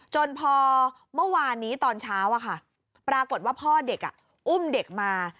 จนพอเมื่อวานนี้ตอนเช้าปรากฏว่าพ่อเด็กอุ้มเด็กมา